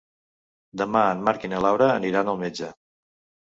Demà en Marc i na Laura aniran al metge.